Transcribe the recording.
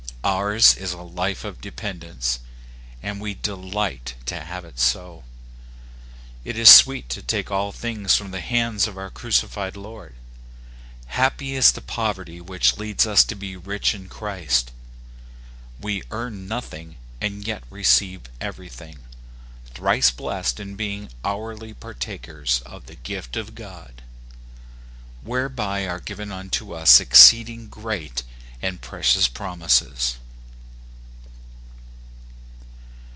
Ours is a life of dependence, and we de light to have it so. It is sweet to take all things from the hands of our crucified Lord. Happy is the poverty which leads us to be rich in Christ. We earn nothing, and yet receive everything, thrice blest in being hourly partakers of the gift of God. " Whereby are given unto us exceeding great and precious promises."